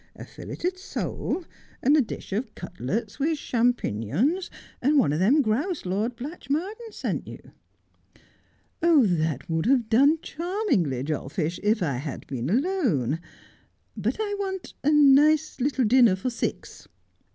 A filleted sole, and a dish of cutlets A Friendly Dinner. 73 with shampinions, and one of them grouse Lord Blatchmardean sent you.' ' That would have done charmingly, Jolfish, if I had been alone. But I want a nice little dinner for six.'